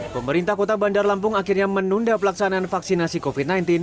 pemerintah kota bandar lampung akhirnya menunda pelaksanaan vaksinasi covid sembilan belas